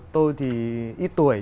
tôi thì ít tưởng